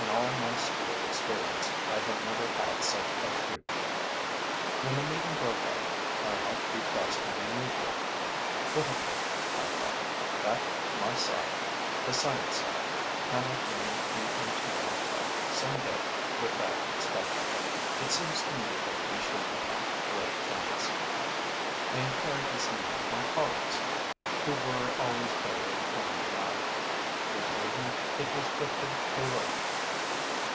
In all my school experience, I had never had such a treat. When the meeting broke up, my heart beat faster than usual: 'What a pity,' I thought, 'that my side, the science side, cannot bring me into contact, some day, with that inspector! It seems to me that we should become great friends.' I inquired his name of my colleagues, who were always better informed than I. They told me it was Victor Duruy.